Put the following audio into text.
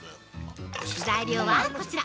材料はこちら！